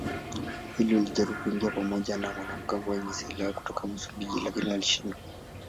Wawili walijaribu kuingia pamoja na wanamgambo wenye silaha kutoka Msumbiji lakini walishindwa.